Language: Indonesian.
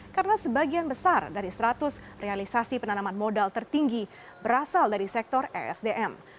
karena sebagian besar dari seratus realisasi penanaman modal tertinggi berasal dari sektor esdm